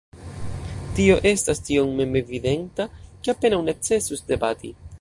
Tio estas tiom memevidenta, ke apenaŭ necesus debati.